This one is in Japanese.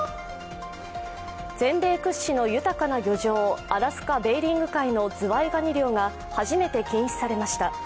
全米屈指の豊かな漁場アラスカ・ベーリング海のズワイガニ漁が初めて禁止されました。